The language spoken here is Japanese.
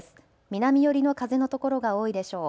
南寄りの風の所が多いでしょう。